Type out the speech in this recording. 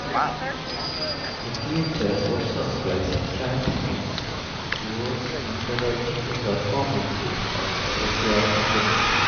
The theater also applies grant funds towards underwriting the performances of the opera company.